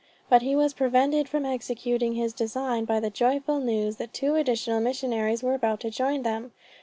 But he was prevented from executing his design by the joyful news that two additional missionaries were about to join them.